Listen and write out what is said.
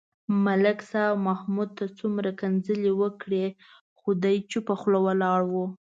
ملک صاحب محمود ته څومره کنځلې وکړې. خو دی چوپه خوله ولاړ و.